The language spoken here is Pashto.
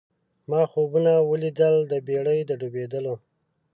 ما خوبونه وه لیدلي د بېړۍ د ډوبېدلو